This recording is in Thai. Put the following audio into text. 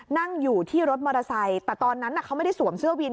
นั่งอยู่ที่รถมอเตอร์ไซค์แต่ตอนนั้นเขาไม่ได้สวมเสื้อวิน